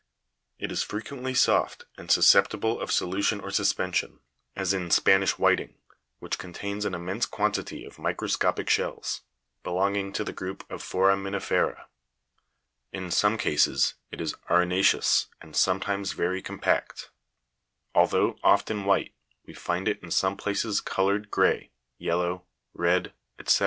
It is fre quently soft, and susceptible of solution or suspension, as in Spa nish whiting, which contains an immense quantity of microscopic shells, belonging to the group of foraminifera. In some cases it is arena'ceous, and sometimes very compact. Although often white, we find it in some places coloured grey, yellow, red, &c. ; 15. How is the upper chalk formation characterized ?